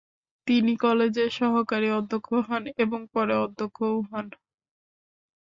তিনি কলেজের সহকারী অধ্যক্ষ হন এবং পরে অধ্যক্ষও হন।